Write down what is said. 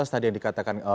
tadi yang dikatakan